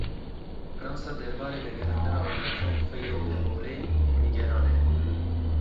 Fransa derbarê vegerandina welatiyên xwe yên li Holê nîgeran e.